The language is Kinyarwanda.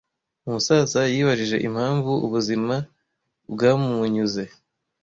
Umusaza yibajije impamvu ubuzima bwamunyuze.